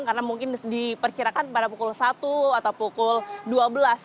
karena mungkin diperkirakan pada pukul satu atau pukul dua belas